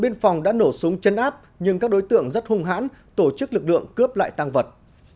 tổ súng chân áp nhưng các đối tượng rất hung hãn tổ chức lực lượng cướp lại tăng vật